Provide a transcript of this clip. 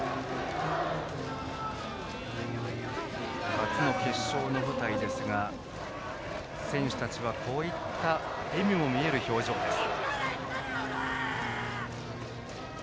初の決勝の舞台ですが選手たちは笑みも見える表情です。